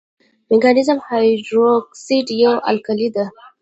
مګنیزیم هایدروکساید یوه القلي ده.